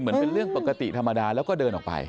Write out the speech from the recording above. เป็นเรื่องปกติธรรมดาแล้วก็เดินออกไป